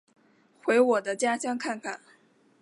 回我的家乡看看